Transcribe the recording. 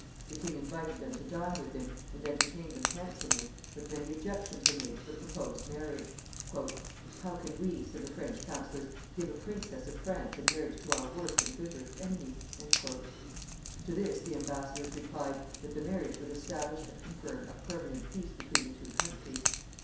The king invited them to dine with him, and entertained them handsomely, but many objections were made to the proposed marriage. "How can we," said the French counselors, "give a Princess of France in marriage to our worst and bitterest enemy?" To this the embassadors replied that the marriage would establish and confirm a permanent peace between the two countries.